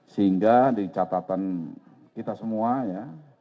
sehingga di catatan kita semua ya